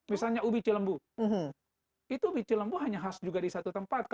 misalnya ubi cilembu itu ubi cilembu hanya khas juga di satu tempat